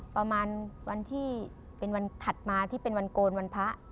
ประมาณวันที่เป็นวันถัดมาที่เป็นวันโกนวันพระ